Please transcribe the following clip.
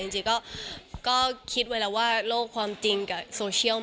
จริงก็คิดไว้แล้วว่าโลกความจริงกับโซเชียล